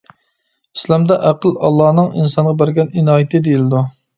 ئىسلامدا ئەقىل ئاللانىڭ ئىنسانغا بەرگەن ئىنايىتى دېيىلىدۇ.